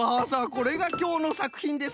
これがきょうのさくひんです。